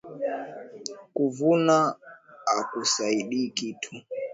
Kujivuna akusaidii kitu